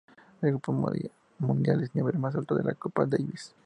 El Grupo Mundial es nivel más alto de la Copa Davis.